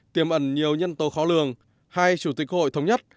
tiềm ẩn nhiều nhân tố khó lường hai chủ tịch hội thống nhất